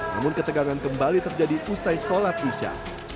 namun ketegangan kembali terjadi usai sholat isya